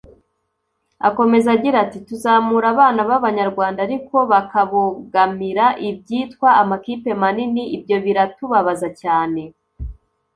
Akomeza agira ati “Tuzamura abana b’abanyarwanda ariko bakabogamira ibyitwa amakipe manini ibyo biratubabaza cyane